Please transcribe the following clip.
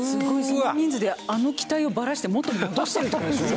その人数であの機体をバラして元に戻してるって事でしょ？